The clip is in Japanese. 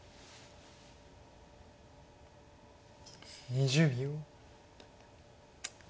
２０秒。